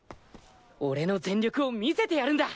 俺の全力を見せてやるんだ。